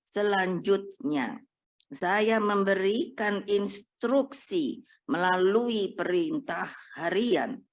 selanjutnya saya memberikan instruksi melalui perintah harian